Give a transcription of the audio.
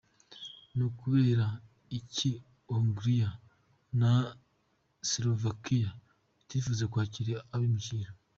Ni kubera iki Hongrie na Slovaquie bitipfuza kwakira abimukira? .